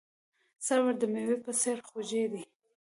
صبر د میوې په څیر خوږ دی.